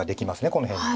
この辺に。